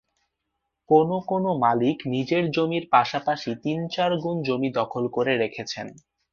কোনো কোনো মালিক নিজের জমির পাশাপাশি তিন-চার গুণ জমি দখল করেছেন।